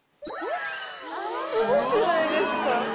すごくないですか！